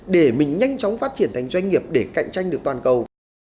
để mình nhanh chóng phát triển thành doanh nghiệp để cạnh tranh được toàn cầu